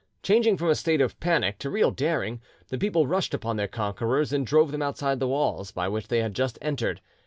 Changing from a state of panic to real daring, the people rushed upon their conquerors, and drove them outside the walls by which they had just entered.